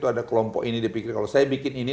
ada kelompok ini dipikir kalau saya bikin ini